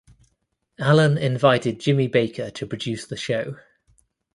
Allen invited Jimmie Baker to produce the show.